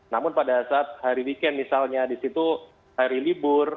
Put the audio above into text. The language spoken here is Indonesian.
namun pada saat hari weekend misalnya di situ hari libur